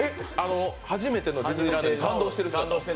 初めてのディズニーランドで感動して。